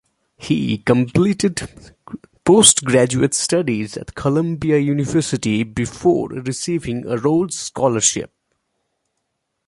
He completed post-graduate studies at Columbia University before receiving a Rhodes Scholarship.